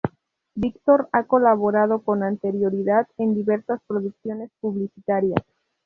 Víctor ha colaborado con anterioridad en diversas producciones publicitarias.